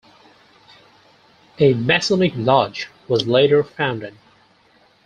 A Masonic lodge was later founded.